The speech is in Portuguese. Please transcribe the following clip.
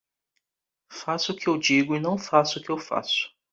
Faça o que eu digo e não faça o que faço.